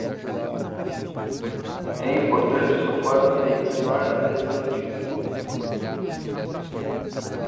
É importante escovar os dentes várias vezes ao dia.